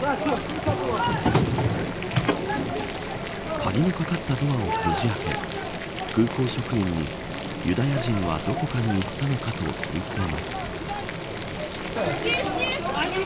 鍵のかかったドアをこじ開け空港職員に、ユダヤ人はどこかに行ったのかと問い詰めます。